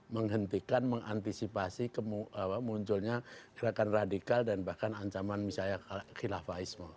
menghentikan mengantisipasi munculnya gerakan radikal dan bahkan ancaman misalnya khilafaisme